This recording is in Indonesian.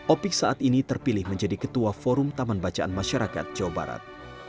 opik saat ini terpilih menjadi ketua forum taman bacaan masyarakat jawa barat